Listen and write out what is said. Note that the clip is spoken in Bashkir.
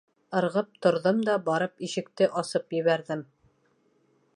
Ырғып торҙом да барып ишекте асып ебәрҙем.